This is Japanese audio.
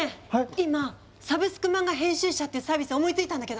今「サブスクマンガ編集者」っていうサービス思いついたんだけど。